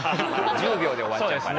１０秒で終わっちゃうから。